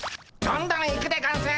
どんどん行くでゴンス！